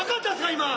今。